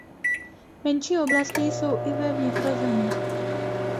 Menší oblasti jsou i ve vnitrozemí.